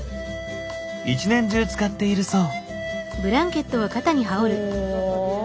一年中使っているそう。